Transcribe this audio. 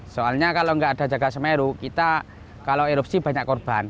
soalnya kalau nggak ada jaga semeru kita kalau erupsi banyak korban